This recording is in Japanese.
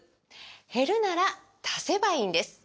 減るなら足せばいいんです！